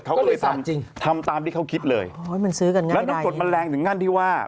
เขาก็เลยทำตามที่เขาคิดเลยแล้วปรากฏมันแรงถึงงั้นที่ว่า